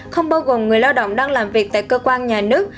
không bao gồm người lao động đang làm việc tại cơ quan nhà nước